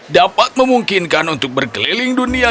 dapat memungkinkan untuk berkeliling dunia